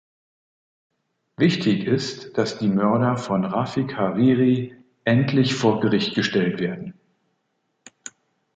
Wichtig ist, dass die Mörder von Rafiq Hariri endlich vor Gericht gestellt werden.